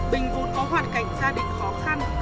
bình vốn có hoàn cảnh gia đình khó khăn